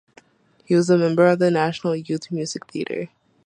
He was a member of the National Youth Music Theatre.